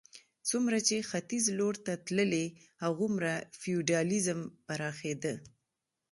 څومره چې ختیځ لور ته تللې هغومره فیوډالېزم پراخېده.